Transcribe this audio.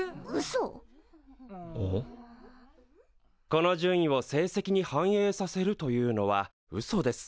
この順位を成績に反映させるというのはうそです。